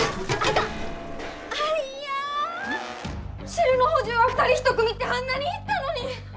汁の補充は２人一組ってあんなに言ったのに！